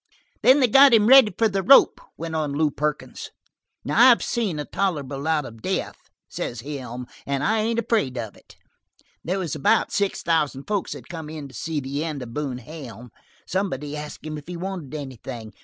"Then they got him ready for the rope," went on Lew Perkins. "'I've seen a tolerable lot of death,' says Helm. 'I ain't afraid of it.'" "There was about six thousand folks had come in to see the end of Boone Helm. Somebody asked him if he wanted anything.